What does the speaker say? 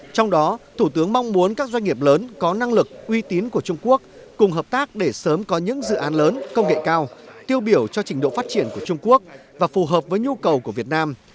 trong đó thủ tướng mong muốn các doanh nghiệp lớn có năng lực uy tín của trung quốc cùng hợp tác để sớm có những dự án lớn công nghệ cao tiêu biểu cho trình độ phát triển của trung quốc và phù hợp với nhu cầu của việt nam